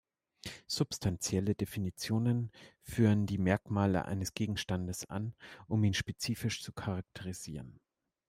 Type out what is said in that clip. Substantielle Definitionen führen die Merkmale eines Gegenstandes an, um ihn spezifisch zu charakterisieren.